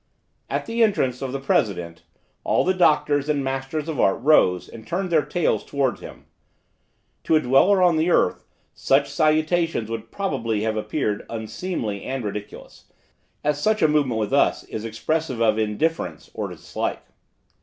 At the entrance of the president, all the doctors and masters of art rose and turned their tails towards him. To a dweller on the earth, such salutations would probably have appeared unseemly and ridiculous, as such a movement with us is expressive of indifference or dislike.